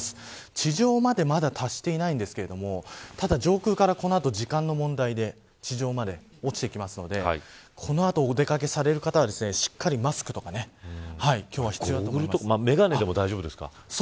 地上までまだ達していないんですけれどもただ上空からこの後時間の問題で地上まで落ちてきますのでこの後、お出掛けされる方はしっかりマスクとか今日は必要だと思います。